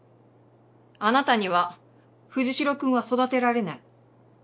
あなたには藤代くんは育てられない。